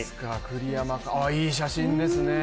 いい写真ですね。